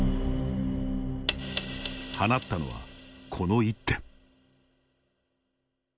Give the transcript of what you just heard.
放ったのはこの一手。